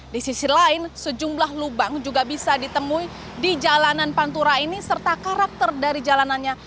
di sisi lain sejumlah lubang juga bisa ditemui di jalanan pantura ini serta karakter dari jalanannya